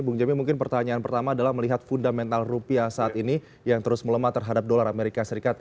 bung jemi mungkin pertanyaan pertama adalah melihat fundamental rupiah saat ini yang terus melemah terhadap dolar amerika serikat